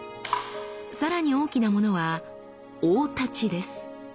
さらに大きなものは「大太刀」です。